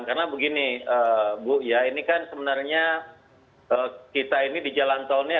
karena begini bu ya ini kan sebenarnya kita ini di jalan tolnya